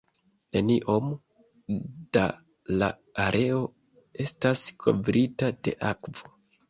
Neniom da la areo estas kovrita de akvo.